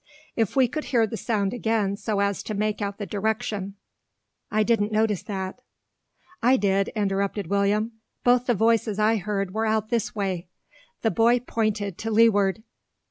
If we could hear the sound again so as to make out the direction. I didn't notice that." "I did," interrupted William. "Both the voices I heard were out this way." The boy pointed to leeward.